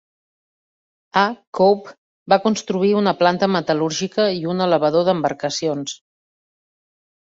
A Kobe, va construir una planta metal·lúrgica i un elevador d'embarcacions.